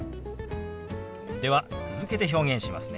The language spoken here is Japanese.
では続けて表現しますね。